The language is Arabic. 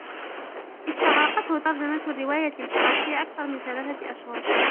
استغرقته ترجمة الرواية الفرنسية أكثر من ثلاثة أشهر.